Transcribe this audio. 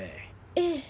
ええ。